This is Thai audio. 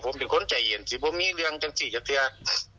ผมเป็นคนใจเห็นสิผมมีเรื่องจังสิทธิ์อย่างเที่ยว